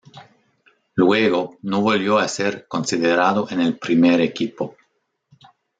Luego no volvió a ser considerado en el primer equipo.